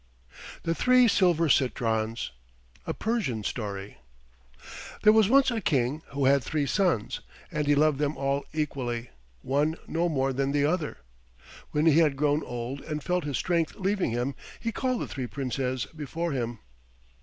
THE THREE SILVER CITRONS A PERSIAN STORY There was once a King who had three sons, and he loved them all equally, one no more than the other. When he had grown old and felt his strength leaving him, he called the three Princes before him.